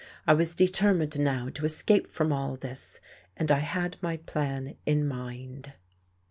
I was determined now to escape from all this, and I had my plan in mind.